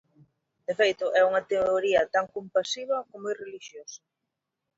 De feito, é unha teoría tan compasiva como irrelixiosa.